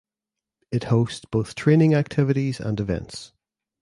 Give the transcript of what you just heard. It hosts both training activities and events.